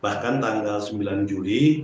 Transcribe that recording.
bahkan tanggal sembilan juli